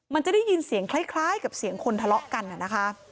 มันจะได้ยินเสียงคล้ายกับเสียงคนทะเลาะกันนะคะ